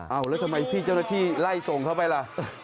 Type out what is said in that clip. เอาแล้วทำไมพี่เจ้าหน้าที่ไล่ส่งเขาไปล่ะ